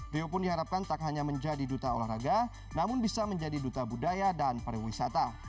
rio pun diharapkan tak hanya menjadi duta olahraga namun bisa menjadi duta budaya dan pariwisata